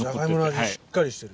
しっかりしてる。